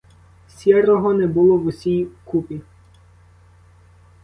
Сірого не було в усій купі.